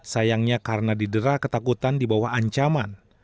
sayangnya karena didera ketakutan dibawah ancaman